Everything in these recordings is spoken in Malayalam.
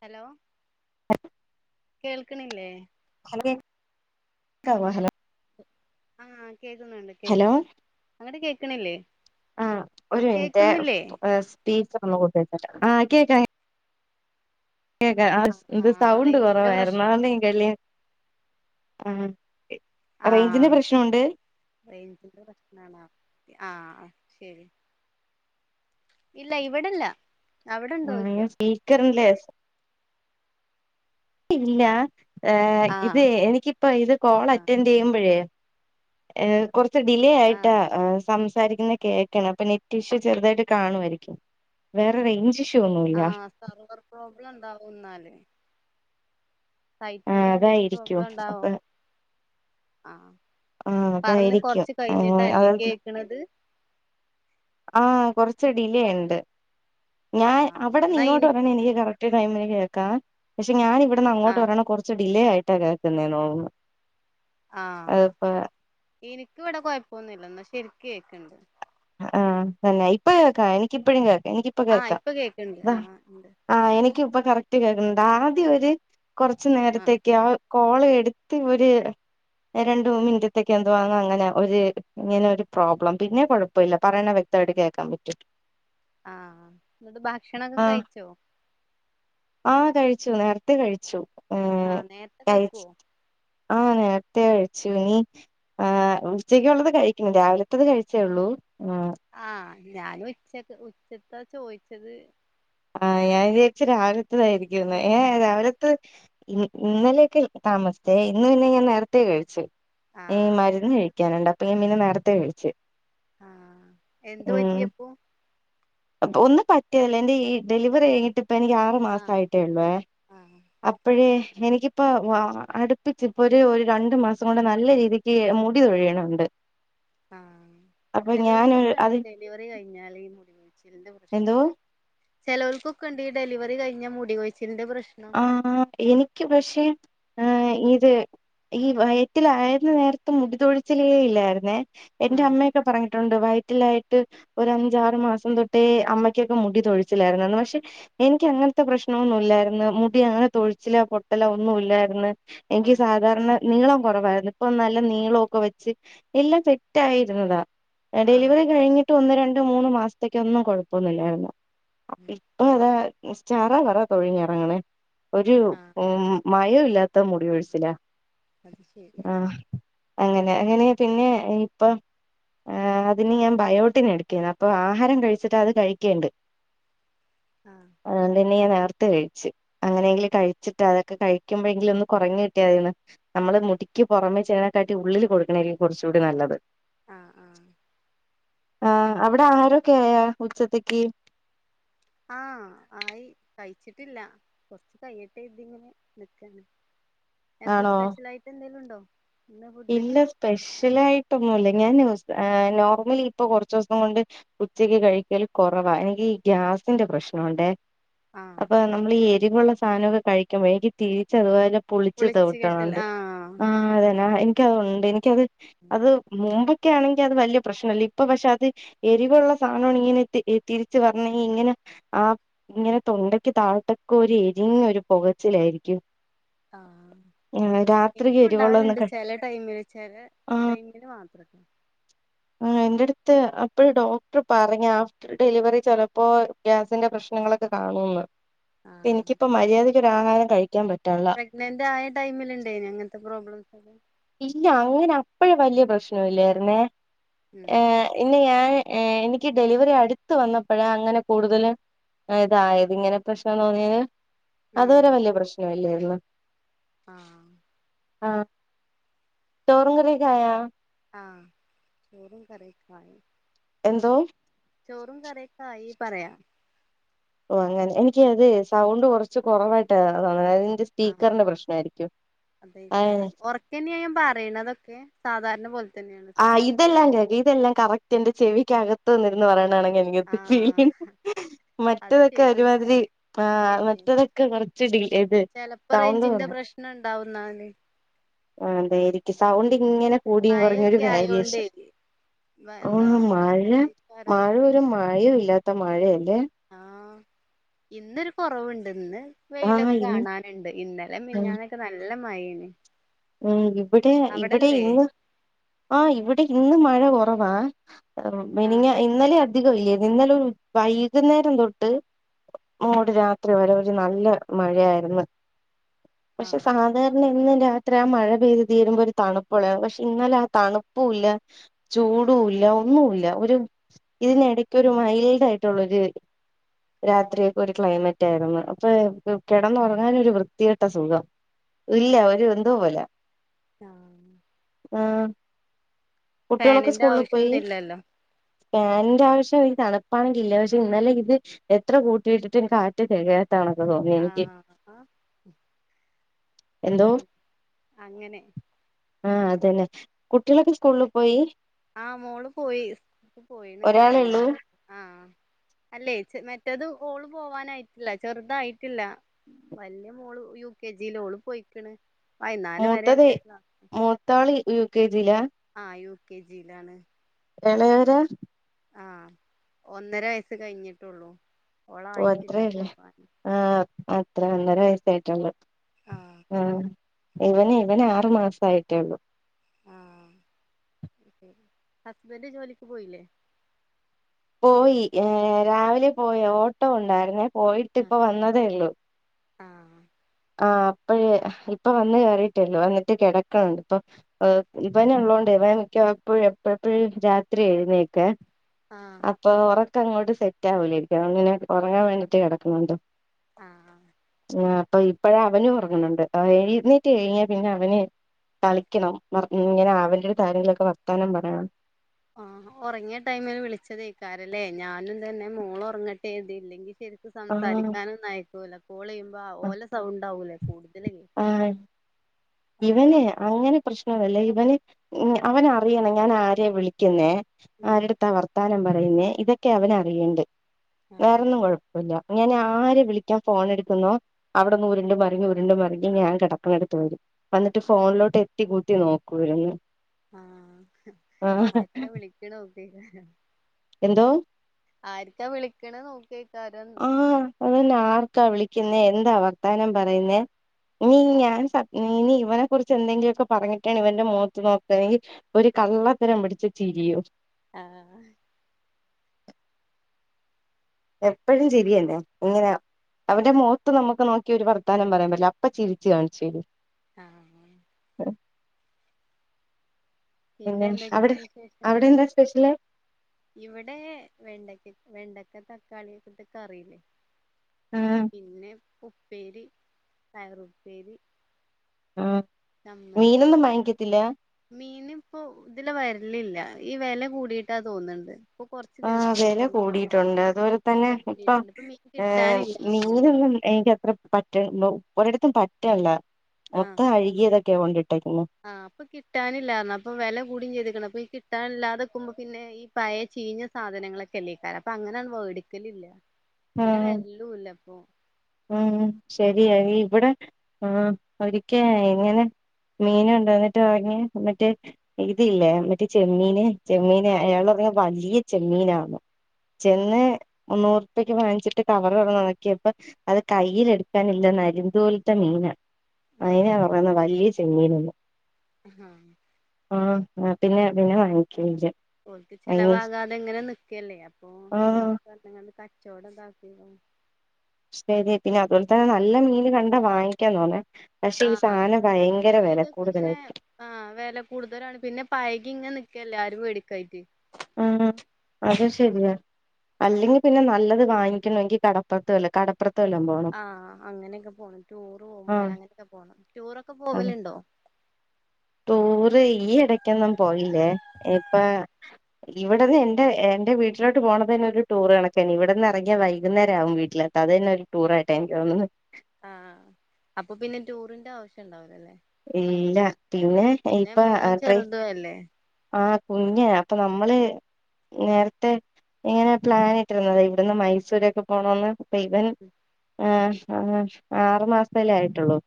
ഹലോ? [inaudible] കേൾക്ക്ണില്ലേ? അക്കെക്കവോ ഹലോ ആഹ കേൾക്കുന്നുണ്ട്. ഹലോ കേക്കണ്ട് അങ്ങട്ട് കേക്ക്ണില്ലേ കേക്കുന്നില്ലേ പീസ് [unintelligible] കേൾക്ക കേക്ക ആഹ് ഇത് ആഹ് സൗണ്ട് റേഞ്ചിന്റെ കുറവായിരുന്നാലും പ്രശ്നണ്ട് കല് ആ ആഹ് റേഞ്ചിറെ പ്രശ്നോ ആ ശരി. ഇല്ല ഇവിടെല്ല അവിടെണ്ടോയ്ക്ക രല്ലേ ഇല്ല ഇത് ആഹ് എനിക്കിപ്പോ ഇത് കോൾ ആഹ് അറ്റൻഡ് ചെയ്യുമ്പോഴേ ഏ കുറച്ച് ഡിലേ ആയിട്ടാ ആഹ് സംസാരിക്കുന്ന കേക്ക് അപ്പൊ നെറ്റ് ഇഷം ചെറുതായിട്ട് കാണുമായിരിക്കും വേറെഞ്ച് ആഹ സർവർ പ്രോബ്ലം എന്താവ എന്നാല് ആഹ് സൈറ്റിന്റെ എന്തെങ്കലും അതായിരിക്കും പ്രോബ്ലം ഉണ്ടാവോ അപ്പൊ ആഹ ആഹ് പറഞ്ഞ് അതായിരിക്കും കൊറച്ച് ആഹ് കഴിഞ്ഞിട്ടല്ലേ അത് കേക്കണത് ആ കൊറച്ച് ഡിലേ ഉണ്ട് ഞാൻ ആഹ് അവിടെന്ന് എന്നാ ഇങ്ങോട്ട് ഇനി പറ എനിക്ക് കറക് ഒ ടൈമിന് കേൾക്കാം പക്ഷെ ഞാൻ ഇവിടന്ന്ങ്ങോട്ട് ആഹ് വരാണ കുറച്ച് ഡിലേ ആയിട്ടാ കേൾക്കുന്ന തോന്നുന്നു ആഹ അതിപ്പോ എനിക്കും ഇവിടെ കുഴപ്പൊന്നില്ല എന്ന ശരിക്ക കേക്കണ്ട് ആഹ് തന്നെ ഇപ്പൊ കേക്കാം എനിക്ക ഇപ്പഴും കേക്കാം എനിക്ക് ആഹ് ഇപ്പൊ കേൾക്കണ്ട് ആ ഉണ്ട് ആഹ എനിക്ക ഇപ്പ കറക്റ്റ് കേൾക്കുന്നുണ്ട് ആദ്യം ഒരു കൊറച്ചു ആഹ് നേരത്തേക്ക് ആ കോള് ടുത്ത് ഇവ ര് രണ്ട മിനിറ്റത്തേക്കെ എന്തുവാണോ അങ്ങനെ ഒരു പ്രോബ്ലം പിന്നെ കൊഴപ്പം ഇപ്പ ഇല്ല പറയ വക്തമായിട് കേക്കാൻ പറ്റിട്ട് ആഹ ന്നിട്ട് ഭക്ഷണൊക്കെ കഴിച്ചോ ആഹ കഴിച്ചു നേരത്തെ കഴിച്ചു ആഹ നേരത്തെ കഴിക്കുവോ ആഹ നേരത്തെേ കഴിച്ചുനീ ആ ഉച്ചക്കുള്ളത് കഴിക്കണം രാവിലത്തത് കഴിച്ചേള്ളൂ ആഹ ഞാനും ഉച്ച ഉച്ചയ്ക്ക ചോദിച്ചത് ആ ഞാൻ വിചാരിച്ച രാവിലത്തതായിരിക്കുംന്ന് ഏ അല്ല രാവിലെ ഇന്നലെയൊക്കെ താമസത്തെേ ഇന്ന് പിന്നെ ഞാൻ നേരത്തെേ കഴിച്ചു ഈ ആഹ് മരുന്ന് കഴിക്കാനുണ്ട് അപ്പൊ പിനെ നേരത്തെ കഴിച്ചു ആഹ എന്ത് ഉം പറ്റിയപ്പോ ഒന്ന് പറ്റിയതല്ലേ ന്റെ ഈ ഡെലിവറി കഴിഞ്ഞിട്ട് ഇപ്പ എനിക്ക് ആറു മാസം ആഹ് ആട്ടേ ഉള്ളുവേ ആഹ് അപ്പോഴേ എനിക്കിപ്പോ അടുപ്പിച് ഇപ്പൊ ഒരു ഒരു രണ്ടു മാസം കൊണ്ട് നല്ല രീതി മുടി കൊഴിയണണ്ട് ആഹ ഞാൻ ചെലൊൾക്കൊക്കെ ഉണ്ട് അത് വറി കഴിഞ്ഞാാല മുടികൊഴിച്ചിൽ ന്റെ എന്തോ പ്രശ്നം ചിലർക്ക്ക്കൊക്കെണ്ട് ഈ ഡെലിവറി കഴിഞ്ഞ മുടികഴച്ചിന്റെ പ്രശ്നം ആഹ് എനിക്ക് പക്ഷേ ഇത് ഈ വയറ്റിലാവു ന്ന നേരത്തെ മുടി തൊഴിച്ചിലേ ഇല്ലായിരുന്നേ എന്റെ ആഹ് അമ്മയൊക്കെ പറഞ്ഞിട്ടുണ്ട് വയ യ്റ്റിലായിട്ട് ഒര് അഞ്ചാറ് മാസം തൊട്ടേ അമ്മയ്ക്കൊക്കെ മുടി തൊഴിച്ചില്ലായിരുന്നുന്ന് പക്ഷെ എനിക്ക് അങ്ങനത്തെ പ്രശ്നമൊന്നുമല്ലായിരുന്നു മുടി അങ്ങനെ തൊഴിച്ചില പൊട്ടല ഒന്നും ഇല്ലായിര് ന്ന് എനിക്ക് ആഹ് സാധാരണ നിളം കുറവായിരുന്നു ഇപ്പ നല്ല നീളൊക്കെ വെച്ച് എല്ലാം സെറ്റ് ആായിരുന്നതാ ആഹ് ഡെലിവറി കഴിഞ്ഞ ഒന്ന് രണ്ട മൂന്ന് മാസത്തേക്കോന്നും കൊഴപ്പൊന്നില്ലായിരുന്നു അ അതാ ചാറ വറാ കൊഴിഞ്ഞിറങ്ങുന്നു ഒരു ആഹ് മയമില്ലാത്ത മുടി കോഴിച്ചില അത് ശരി ആഹ് അങ്ങനെ അങ്ങനെ പിന്നെ ഇപ്പൊ ആ അതിന് ഞാൻ ബയോട്ടിൻ എടുക്കന്ന് അപ്പൊ ആഹാരം കഴിച്ചിട്ട് അത് കഴിക്കേണ്ട് ആഹ അത്തിനു ഞാൻ നേരത്തെ കഴിച്ചു അങ്ങനെയെങ്കിലും കഴിച്ചിട്ട് അതൊക്കെ കഴിക്കുമ്പഴെങ്കലും ഒന്ന്കൊറഞ്ഞ് കിട്ടാ മതിന്ന് നമ്മള് മുടിക്ക് പുറമേ ചേതിനെക്കാട്ടി ഉള്ളിൽ കൊടുക്കണായിരിക്കും കുറച്ചുടി നല്ലത് ആഹ് ആഹ് ആ്ഹ് അവിടെ ആര് കെയ ഉച്ചത്തക്ക് ആഹ് ആയി കഴിച്ചിട്ടില്ല കൊറച്ച് കൈയട്ടെ ഇതിങ്ങനെ നിക്കാണ് എന്താ ആണോ സ്പെഷ്യലായിട്ട് എന്തെങ്കിലും ഉണ്ടോ ഇന്ന് ഫുഡിന് ഇല്ല സ്പെഷ്യലായിട്ടൊന്നുമല്ല ഞാൻ സ് അഹ് നോർമലി ഇപ്പൊ കുറച്ച ദിവസം കൊണ്ട് ഉച്ചക്ക് കഴിക്കൽ കൊറവാ എനിക്ക് ഈ ഗ്യാസിന്റെ പ്രശ്നുണ്ടെ ആഹ് അപ്പൊ നമ്മൾ ഈ എരിവുള്ള സാധനമൊക്കെ കഴിക്കുമ്പോ എനിക്ക് തീ ചെറുതായിട്ട് പുളിച്ചു വിളിച്ച് കേട്ടൽ തെട്ടാറുണ്ട് ആഹ് അതന്നെ എനിക്കതുണ്ട് എനിക്കത് അത് മുമ്പൊക്കെയാണങ്ങി അത് വലിയ പ്രശ്നല്ല ഇപ്പ പക്ഷെ അത് എരിവുള്ള സാനാണങ്ങി തിരി തിരിച്ചു വരണങ്ങി ഇങ്ങനെ ആഹ് ഇങ്ങനെ തൊണ്ടക്ക് താഴത്തെക്കൊരു എരിഞ്ഞോരു പുകച്ചിലായിരിക്കും ആഹ് രാത്രി എനിക്കും എരിവുള്ളതൊന്നും ഉണ്ടാവലുണ്ട് കഴി ചില ടൈമിൽ ചെല ആഹ് ടൈമിൽ മാത്രട്ടോ ആഹ് എന്റെടുത്ത് അപ്പഴ് ഡോക്ടർ പറഞ്ഞാ ആഫ്റ്റർ ഡെലിവറി ചെലപ്പോ ഗ്യാസിന്റെ പ്രശ്നങ്ങളൊക്കെ കാണുന്ന് ആഹ് എനിക്കിപ്പോ മര്യാദക്ക് ആഹാരം കഴിക്കാൻ പറ്റാണ്ള്ള പ്രെഗ്നന്റ് ആയ ടൈമിൽണ്ടായിനാ ഇങ്ങനത്തെ പ്രോബ്ലെംസൊക്കെ ഇല്ല അങ്ങനെ അപ്പോഴെ വല്യ പ്രശ്നവില്ലായിരുന്നേ ഉം ഏഹ് പിന്നെ ഞാന് ഏഹ് എനിക്ക് ഡെലിവറി അടുത്ത് വന്നപ്പോഴ അങ്ങനെ കൂടുതലും ഉം ഇതായത് ഇങ്ങനെ പ്രശ്നം തോന്നിയത് ഉം അതുവരെ വല്യ പ്രശ്ന ഇല്ലേര്ന്നു. ആഹ് ആഹ് ചോറുങ്കറിയൊക്കെ ആയ ആഹ് ചോറും കറിയൊക്കായി എന്തോ ചോറും കറിയൊക്കെ ആയി പറയാ ഓഹ് അങ്ങനെ എനിക്ക് അത് ആഹ് സൗണ്ട് കൊറച്ച് കൊറവായിട്ട് തോന്നേണ് അതാണ് അതിന്റെ ആഹ് സ്പീക്കർന്റെ പ്രശ്നായിരിക്കും അത് എങ്ങനെ പിന്നെയെ പറയണതൊക്കെ സാധാരണ പോൽ ആഹ് ഇതെല്ലാം കേക്കാ ഇതെല്ലാം കറക്റ്റ് എന്റെ ചെവിക്കകത്ത് നിന്ന് പറയണ ആണെങ്കി ഇങ്ങൻത്തെ ആഹ് ഫീൽ അത് മറ്റതൊക്കെ ശരി ഒരുമാതിരി ആഹ് ഏഹ് മറ്റതൊക്കെ കൊറ ച്ചിറ്റകിൽ ഏത് ചെലപ്പോ സൗണ്ട് റേഞ്ചിന്റെ കൊറഞ്ഞ പ്രശ്നം ഉണ്ടാവുന്നാല് ആഹ് അതായിരിക്കും സൗണ്ട് ആഹ് ഇങ്ങനെ കൂടിയും കൊർഞ്ഞൊരു മഴയൊക്കെ ആയോണ്ടേ വാരിയേഷൻ വ- ഉം എന്താ മഴ അതേക്കാരം മഴ് ഒരു മയൊല്ലാത്ത മഴയല്ലേ ആഹ് ഇന്നൊരു കൊറവുണ്ട് ഇന്ന് ആ വെയിലൊക്കെ ഇന്ന് കാണാനുണ്ട് ഇന്നലെ മിഞ്ഞാന്നൊക്കെ നല്ല മഴേന്ന് ഉം ഇവിടെ ഇവിടെ ഇന്ന് ആഹ് ഇവിടെ ഇന്ന് മഴ കൊറവാ ആഹ് മിൻഞ്ഞാ ഇന്നലെ അധികം ഇല്ലേനി ഇന്നലെ ഒരു ഉ വൈകുന്നേരം തൊട്ട് മൂട് രാത്രി വരെ ഒരു നല്ല മഴയായിരുന്നു പക്ഷെ ആഹ് സാധാരണ എന്നും രാ ത്രി മഴ പെയ്തി തീരുമ്പോ ഒരു തണുപ്പുള്ളത പക്ഷെ ഇന്നലെ ആഹ് തണുപ്പു ഇല്ല ചൂടു ഇല്ല ഒന്നുല്ല ഒരു ഇതിനിടയ്ക്ക് ഒരു മൈൽഡ് ആയിട്ടുള്ളൊര് രാത്രിയൊക്കെ ഒരു ക്ലൈമറ്റായിരുന്നു അപ്പോഴേ കെടന്നൊറങ്ങാൻ ഒരു വൃത്തിക്കെട്ട സുഖം ഇല്ല ഒരു എന്തോ പോലെ ആഹ് ആഹ് കുട്ടികളൊക്കെ ഫാനിന്റെ സ്കൂളിൽ പോയി ആവശ്യൊന്നും ഇല്ലല്ലോ ഫാൻന്റെ ആവശ്യം ഈ തണുപ്പാണെങ്കി ഇല്ല പക്ഷെ ഇന്നലെ ഇത് എത്ര കൂട്ടിയിട്ടിട്ടും കാറ്റ് തെകയാത്താകണക്കെ തോന്നി എനിക്ക് ആഹ് എന്തോ ഉം അങ്ങനെ ആഹ് അതന്നെ കുട്ടിയളൊക്കെ സ്കൂളിൽ പോയി ആഹ് മോള് പോയി സ്കൂൾ പോയിണ് ഒരാളെ ഉള്ളൂ വൈന്നാരം ആഹ് അല്ലേ ചെ മറ്റെത് ഓള് പോവാനായിട്ടില്ല ചെറുതായിട്ടില്ല വല്യ മോള് യു കെ ജി ലോള് പോയിക്ക്ണ് വൈന്നാരെ വരെണ്ട് ക്ലാ ത്താളി യു കെജി ലാ? ആഹ് യു കെ ജി ലാണ്. ഏളയവരെ. ആഹ ഒന്നര വയസ്സ് കഴിഞ്ഞിട്ടുള്ളൂ. ഓ ഓളായിട്ടില്ല അത്രന്നെ പോകാൻ ആഹ് അത്ര ഒന്നര വയസ്സായിട്ടുള്ളു. ആ ആഹ് ഇവന് ഇവന് ആറു മാസയിട്ടേള്ളു. ആഹ് ഓക്കെ ഹസ്ബെന്റ് ജോലിക്ക് പോയില്ലേ? പോയി ഏഹ് രാവിലെ പോയി ഓട്ടോ ഉണ്ടായിരുന്നേ പോയിട്ട് ഇപ്പ വന്നതേ ഉള്ളൂ. ആഹ്. ആ അപ്പഴേ ഹ് ഇപ്പൊ വന്ന് കേറിയിട്ടെള്ളൂ വന്നിട്ട് കെടക്കണണ്ട് ഇപ്പൊ. ഏഹ് ഇവനുള്ളതോണ്ട് ഇവൻക്ക എപ്പഴും എപ്പ എപ്പോഴും രാത്രി എഴുന്നേക്കുഎ. ആഹ്. അപ്പൊ ഒറക്കങ്ങോട്ട് സെറ്റ് ആവൂല ഇപ്പൊ അങ്ങനെ ഒറങ്ങാൻ വേണ്ടിട്ട് കെടക്കുന്നുണ്ട്. ആഹ ആ അപ്പൊ ഇപ്പഴ അവനും ഉറങ്ങണണ്ട് എഴുന്നീറ്റ് കഴിഞ്ഞാ പിന്നെ അവന് കളിക്കണം ഇങ്ങനെ അവരുടെ കാര്യങ്ങളൊക്കെ വർത്താനം പറയണം ആഹ് ഉറങ്ങിയ ടൈമില് വിളിച്ചതേക്കാരല്ലേ ഞാനുംതന്നെ മോള ഉറങ്ങട്ടെ എഴതിയില്ലെങ്കിൽ ശരി ആഹ് സംസാരിക്കാനൊ ഒുംയക്കൂല്ല കോൾ ചെയ്യുമ്പോ ഓലെ സൗണ്ട്വകൂലേ കൂടുത നക്ക് ഇട ആഹ് അപ്പവാ ഇവന് അങ്ങനെ പ്രശ്നംല്ലേ ഇവന് അവന അറിയണം ഞാൻ ആരെയ വിളിക്കുന്നേ ഉം ആരുടുത്ത ആ വർത്താനം പറയുന്നേ ഇതൊക്കെ അവന അറിയണ്ട് ആഹ് വേറൊന്നും കൊഴപ്പം ഇല്ല ഞനൻ ആരെ വിളിക്കാൻ ഫോൺ എടുക്കുന്നു അവിടന്ന് ഉരുണ്ടും മങ്ങി ഉരുണ്ടും മങ്ങി ഇ ഞാൻ കിടക്കുന്നെടുത്ത് വരും വന്നിട്ട് ഫോണിലോട്ട് എത്തി കൂട്ട നോക്കൂരുന്നു ആഹ ആക്ക വിളിക്ക നോക്കി എന്തോ ആരിക്കാ വിളിക്കണ നോക്കിയക്കാര അതനെ ആർക്കാ വിളിക്കുന്ന എന്താ വഗദാനം പറയുന്നേ നീ ഞാൻ സ ഇനി ഇവനെ കുറിച്ച് എന്തെങ്കിലുമൊക്കെ പറഞ്ഞിട്ടാണ് ഇവന്റെ മഖത്ത് നോക്കുകണെങ്കിൽ ഒരു കള്ളത്തരം പിടിച്ച ചിരിയു ആഹ എപ്പോഴും ചിരിയന്നെ ഇങ്ങനെ അവന്റെ മുഖത്ത് നമുക്ക് നോക്കിയ ഒരു വർത്താനം പറയാൻ പറ്റില്ല അപ്പൊ ചിരിച്ചു കാണിച്ചു തരും ആഹ പിന്നെ എന്തൊക്കെയാ അവിടെ വിശേഷങ്ങൾ അവിടെ എന്താ സ്പെഷ്യൽ ഇവിടെ വെണ്ടക്ക വെണ്ടക്ക തക്കാളിയക്ക ഇട്ട് കറിയില്ലേ ആ പിന്നെ ഉപ്പേരി പയറുപ്പേരി ആഹ ച മതി മീനി ഇപ്പോ ഇതില വരലില്ല ഈ വില കൂടിട്ടാ തോന്നുന്നുണ്ട് ആ് വില കൂടിയിട്ടുണ്ട് അതുപോലെ തന്നെ വെല ഇപ്പം കൂടിയിട്ടുണ്ട് ഇപ്പൊ മീൻ ഏർ കിട്ടാനില്ലാ പറഞ്ഞു നീനും എനക്ക്ത്ര പറ്റ ഒരിടത്തും പറ്റല്ല ആഹ് മൊത്തം അഴുകിയതൊക്കെയ കൊണ്ടിട്ടേ ക്കുന്നു ആഹ് അപ്പ കിട്ടാനില്ലാരണം അപ്പൊ വില കൂടിയും ചെയ്തക്കണം അപ്പൊ ഈ കിട്ടാനില്ലാതെക്കുമ്പോ പിന്നെ ഈ പയ ചീഞ്ഞ സാധനങ്ങളൊക്കെ അല്ലക്കാാര അപ്പൊ അങ്ങനെയാണ് വേടക്കലില്ല ആ പിന്നെ വരലൂ ഇല്ല അപ്പൊ ഉം ശരിയരി ഇവിടെ ആ ഒരിക്ക ഇങ്ങനെ മീൻ ഉണ്ടന്നിട്ട് വാങ്ങിയ മറ്റേ ഇതില്ലേ മറ്റേ ചെമ്മീന് ചെമ്മീൻ ആഹ് അയാൾറങ്ങ വലിയ ചെമ്മീനാണ് ഉം ചെന്ന് മന്നൂറ്പക്ക് വാങ്ങിച്ചിട്ട് കവറ് തുറന്നോക്കിയപ്പ അത് കയ്യില എടുക്കാനില്ല നരിന്തോലത്തെ മീനാണ് അയിനാ ആഹ് പറയുന്ന വലിയ ചെമ്മീനന്ന് ആഹ് ആഹ് ആഹ് പിന്നെ പിന്നെ വാങ്ങിക്ക പോ ചെിലവാകാതെ എങ്ങനെ നക്കല്ലേ അപ്പൊ ആഹ് എന്തേലൊക്കെ കാരണങ്ങണ്ട് കച്ചവടം എന്താക്കിയോ ശരി പിന്നെ അതുപോലെ തന്നെ നല്ല മീൻ കണ്ടാ വാങ്ങിക്കാന്ന് തോന്നെ പക്ഷെ ഈ ആഹ് സാധനം ഇ ഭയങ്കര വില ഇതൊക്കെ ഇങ്ങനെ കൂടുതലായിട്ടും ആഹ് വില കൂടുതലാണ് പിന്നെ പൈകി ഇങ്ങനെ നിക്കല്ലേ ആരും പേടിക്കായിട്ട് ഉ അത് ശരിയായ അല്ലെങ്കിൽ പിന്നെ നല്ലത് വാക്കണമെങ്കിൽ കടപ്പുറത്ത് വല്ല കടപ്പുറത്ത് വല്ല പോ ആഹ് അങ്ങനെയൊക്കെ പോകണം ടൂറ് പോകുമ പോലെ ആഹ് അങ്ങനെയൊക്കെ പോകണം ടൂറൊക്കെ അതെ പോവലുണ്ടോ ടൂറ് ഈ ഇടക്കൊന്നും പോയില്ലേ ഇപ്പൊ ഇവിടന്ന് എന്റെ എന്റെറെ വീട്ടിലോട്ട് പോണ തന്നെ ഒരു ടൂറ് കണക്കൻ ഇവിടെ നിന്ന് ഇറങ്ങിയാ വൈകുന്നേരം ആവും വീട്ടിൽ അത് തന്നെ ഒരു ടൂർായിട്ട് എനിക്ക് തോന്നന്ന് ആ അപ്പൊ പിന്നെ ടൂറിന്റെ ആവശ്യം ഉണ്ടാവില്ല അല്ലേ ഇല്ല പിന്നെ ഇപ്പ മോൻ അട്ടറെ ചെറുതു അല്ലേ ആ കുഞ്ഞ അപ്പൊ നമ്മള് നേരത്തെ ഇങ്ങനെ പ്ലാൻ ഇട്ടിരുന്നു അതെ ഇവിടുന്ന് മൈസൂരൊക്കെ പോണന്ന് പ്പ ഇവൻ ആ ആറു മാസ ആയിട്ടുള്ളൂ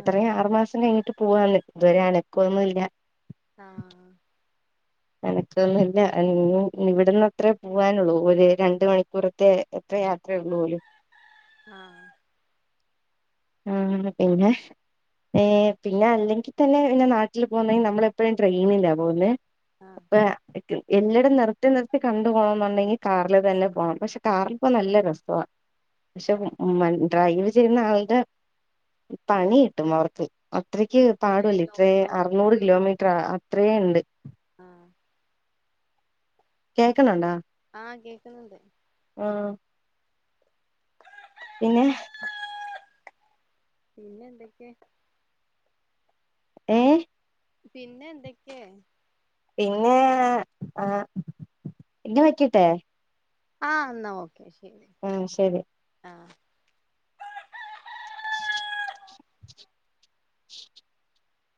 ആഹ് ഇത്രയും ആറുമാസം കഴിഞ്ഞിട്ട് പോവാണ് ഇതുവരെയാണ് അനക്കന്നുഇല്ല ആഹ് എനക്കൊന്നുമില്ല ന ഇവിടന്ന്ത്രേ പോവാനുള്ളൂ ഒരു രണ്ട് മണിക്കൂർ പ്പെ എത്ര യാത്രയ ഉള്ള പോലും ആഹ് ആ പിന്നെ ഏ പിന്നെ അല്ലെങ്കിൽ തന്നെ പിന്നെ നാട്ടിൽ പോകുന്നെിൽ നമ്മള എപ്പോഴും ട്രെയിനിലാ പോകുന്നത് ആഹ് എല്ലായിടും നിർത്തി നിർത്തി കണ്ട് പോകുന്നുണ്ടെങ്കിൽ കാറില് തന്നെ പോണം പക്ഷെ കാറിൽ ഇപ്പോ നല്ല രസവാ പക്ഷെ ആഹ് ഡ്രൈവ് ചെയ്യുന്ന ആളുടെ പണി കിട്ടും അവർക്ക് അത്രയ്ക്ക് കൊറേ പാടുല്ല ഇത്രേ ലോങ്ങാവും അർനൂറ് കിലോമീറ്റർ അത്രയ ഉണ്ട് ആ കേൾക്കണണ്ടോ ആഹ് കേൾക്കുന്നുണ്ട് ആഹ് പിന്നെ പിന്നെ എന്തൊക്കെ ഏ. പിന്നെ എന്തൊക്കെ പിന്നെ ആഹ് ഇന്ന വെക്കട്ടെ ആഹ്എന്നാ ഓക്കെ ശരി ഉം ശരി ആഹ്